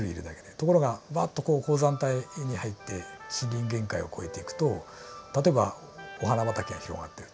ところがわっと高山帯に入って森林限界を越えていくと例えばお花畑が広がっていると。